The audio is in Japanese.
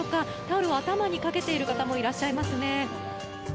タオルを頭にかけている方もいらっしゃいますね。